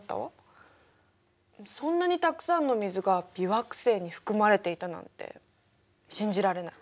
そんなにたくさんの水が微惑星に含まれていたなんて信じられない。